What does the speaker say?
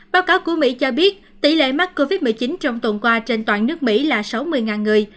báo cáo của mỹ cho biết tỷ lệ mắc covid một mươi chín trong tuần qua trên toàn nước mỹ là sáu mươi người